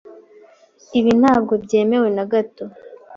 Ibi ntabwo byemewe na gato.